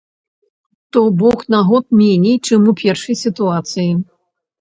То бок на год меней, чым у першай сітуацыі.